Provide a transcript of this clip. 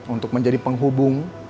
untuk menjadi penghubung